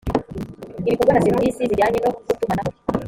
ibikorwa na serivisi zijyanye no gutumanaho